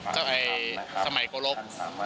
เจ้าไอ้สมัยโกรก